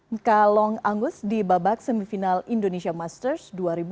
mk long angus di babak semifinal indonesia masters dua ribu dua puluh